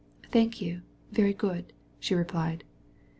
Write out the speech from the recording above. "Thank you, very good," she answered.